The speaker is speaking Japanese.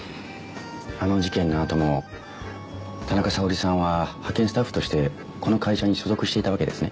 あの事件のあとも田中沙織さんは派遣スタッフとしてこの会社に所属していたわけですね？